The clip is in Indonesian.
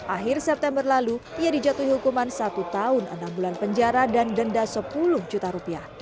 akhir september lalu ia dijatuhi hukuman satu tahun enam bulan penjara dan denda sepuluh juta rupiah